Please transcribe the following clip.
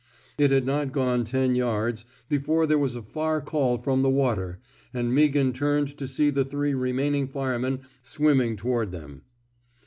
It had not gone ten yards before there was a far call from the water, and Meaghan turned to see the three remaining firemen swimming toward them.